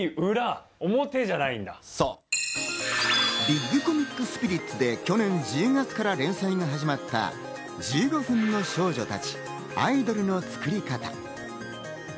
『ビッグコミックスピリッツ』で去年１０月から連載が始まった『１５分の少女たち‐アイドルのつくりかた‐』。